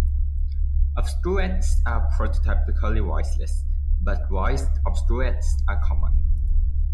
Obstruents are prototypically voiceless, but voiced obstruents are common.